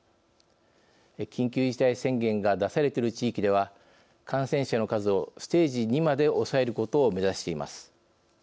緊急事態宣言が出されている地域では感染者の数をステージ２まで抑えることを目指しています。